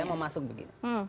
saya mau masuk begini